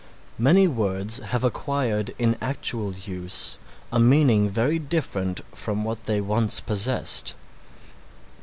Many words have acquired in actual use a meaning very different from what they once possessed.